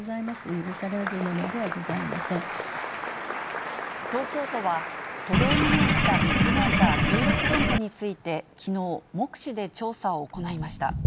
許されるものではございま東京都は、都道に面したビッグモーター１６店舗について、きのう、目視で調査を行いました。